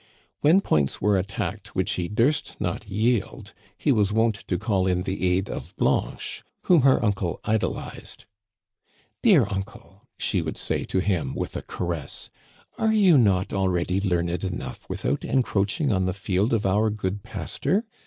When points were attacked which he durst not yield he. was wont to call in the aid of Blanche, whom her uncle idol ized. Dear uncle,*' she would say to him with a caress, " are you not already learned enough without encroach ing on the field of our good pastor